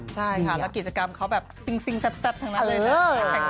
ใช่ค่ะแล้วกิจกรรมเขาแบบซิ่งแซ่บทั้งนั้นเลยนะ